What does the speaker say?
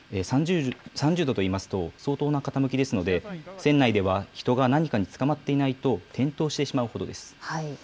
３０度といいますと、相当な傾きですので、船内では人が何かにつかまっていないと転倒してしまうほどです。